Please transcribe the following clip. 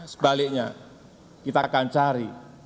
sebaliknya kita akan cari